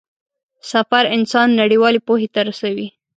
سفر انسان نړيوالې پوهې ته رسوي.